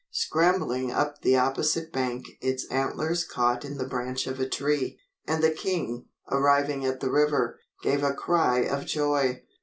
Scrambling up the opposite bank its antlers caught in the branch of a tree, and the king, arriving at the river, gave a cry of joy.